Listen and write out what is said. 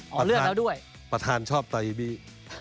โคตรศาลชอบไตอีดี้